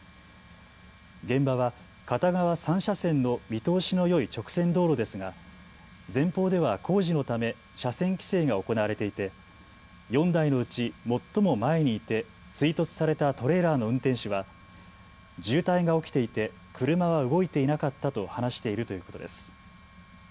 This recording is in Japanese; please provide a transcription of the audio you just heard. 現場は片側３車線の見通しのよい直線道路ですが前方では工事のため車線規制が行われていて４台のうち最も前にいて追突されたトレーラーの運転手は渋滞が起きていて車は動いていなかったと話しているということです。